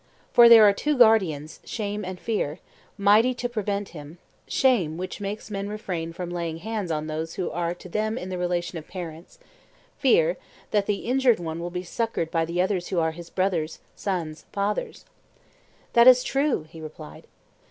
For there are two guardians, shame and fear, mighty to prevent him: shame, which makes men refrain from laying hands on those who are to them in the relation of parents; fear, that the injured one will be succoured by the others who are his brothers, sons, fathers. That is true, he replied.